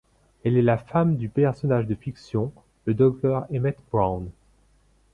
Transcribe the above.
Elle est la femme du personnage de fiction, le docteur Emmett Brown.